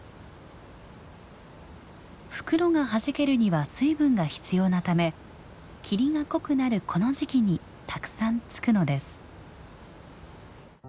袋がはじけるには水分が必要なため霧が濃くなるこの時期にたくさんつくのです。